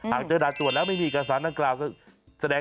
หากจะรับตรวจแล้วไม่มีเอกสารนักกราศ